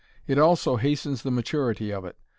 It also hastens the maturity of it.